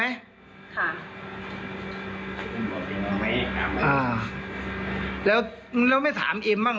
อ๋อเดี๋ยวหนูไปตามใช่ไหม